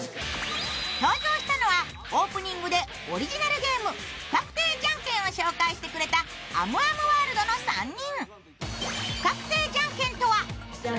登場したのは、オープニングでオリジナルゲーム不確定じゃんけんを紹介してくれた、あむあむＷＯＲＬＤの３人。